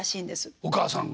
お母さんが。